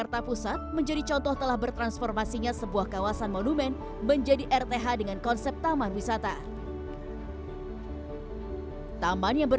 dan untuk berlangganan